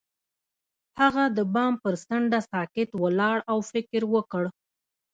هغه د بام پر څنډه ساکت ولاړ او فکر وکړ.